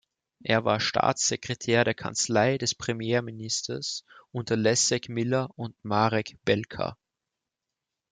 Er war Staatssekretär der Kanzlei des Premierministers unter Leszek Miller und Marek Belka.